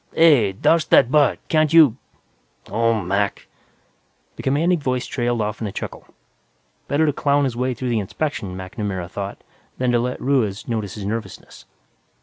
"Hey, douse that butt! Can't you ... oh, Mac!" The commanding voice trailed off in a chuckle. Better to clown his way through the inspection, MacNamara thought, than to let Ruiz notice his nervousness.